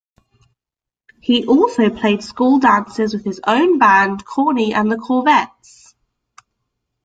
He also played school dances with his own band, Corny and the Corvettes.